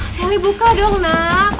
selly buka dong nak